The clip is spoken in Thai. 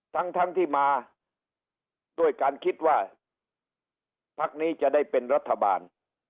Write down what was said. ทั้งทั้งที่มาด้วยการคิดว่าพักนี้จะได้เป็นรัฐบาล